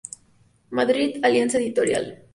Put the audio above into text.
Madrid: Alianza editorial.